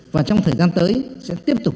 và trong thời gian tới sẽ tiếp tục